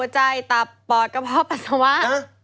ใจตับปอดกระเพาะปัสสาวะ